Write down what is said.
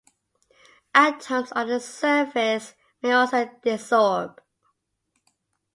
Atoms on the surface may also desorb.